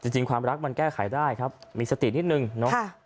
จริงความรักมันแก้ไขได้ครับมีสตินิดนึงเนาะ